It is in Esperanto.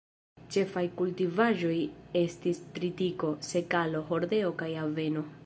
Ĉefaj kultivaĵoj estis tritiko, sekalo, hordeo kaj aveno.